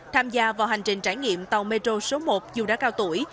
tham gia vào hành trình trải nghiệm tàu metro số một dù đã cao tuổi